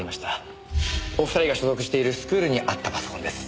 お二人が所属しているスクールにあったパソコンです。